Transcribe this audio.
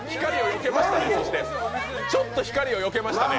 ちょっと光をよけましたね。